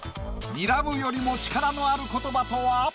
「睨む」よりも力のある言葉とは？